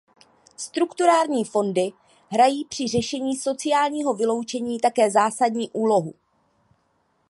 Strukturální fondy hrají při řešení sociálního vyloučení také zásadní úlohu.